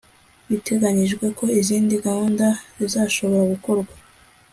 biteganyijwe ko izindi gahunda zizashobora gukorwa